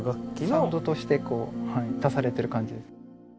サウンドとしてこう足されてる感じです。